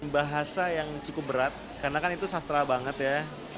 bahasa yang cukup berat karena kan itu sastra banget ya